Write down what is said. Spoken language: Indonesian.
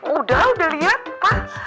udah udah liat pak